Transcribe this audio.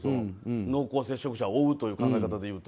濃厚接触者を追うという考え方でいうと。